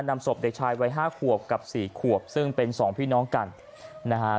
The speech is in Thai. นำศพเด็กชายไว้๕ขวบกับ๔ขวบซึ่งเป็น๒พี่น้องกันนะฮะ